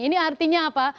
ini artinya apa